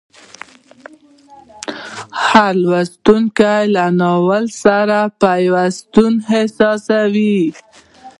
هر لوستونکی له ناول سره پیوستون احساسوي.